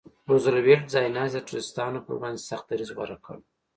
روزولټ ځایناستي د ټرستانو پر وړاندې سخت دریځ غوره کړ.